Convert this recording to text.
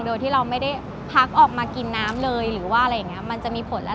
โดยที่เราไม่ได้พักออกมากินน้ำมันจะมีผล